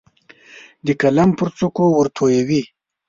د قلم پر څوکو ورتویوي